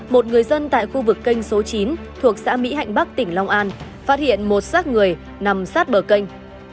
một người dân tại khu vực kênh số chín thuộc xã mỹ hạnh bắc tỉnh long an phát hiện một sát người nằm sát bờ canh